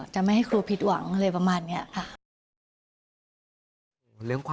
จะไม่ให้ครูผิดหวังอะไรประมาณนี้ค่ะ